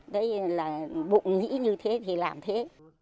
đấy là bụng nghĩ như thế thì làm thế